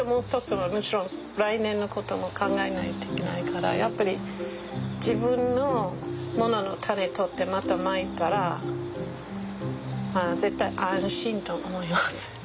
もちろん来年のことも考えないといけないからやっぱり自分のもののタネ取ってまたまいたら絶対安心と思いますね。